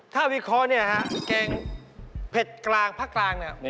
ถ้าวิเคราะห์เนี่ยฮะแกงเผ็ดกลางภาคกลางเนี่ย